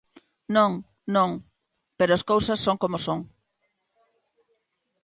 Non, non, pero as cousas son como son.